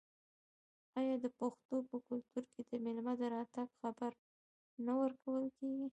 آیا د پښتنو په کلتور کې د میلمه د راتګ خبر نه ورکول کیږي؟